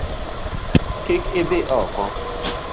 Kik idhi oko!